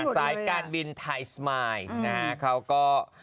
สายการบินไทยสมายนะฮะเขาก็